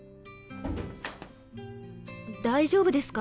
大丈夫ですか？